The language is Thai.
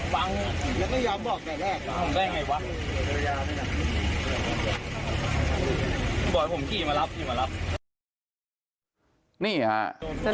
ฟังแล้วก็ย้ำบอกแกแรก